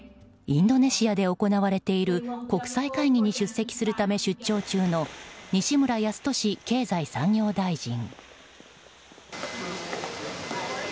インドネシアで行われている国際会議に出席するため出張中の西村康稔経済再生担当大臣。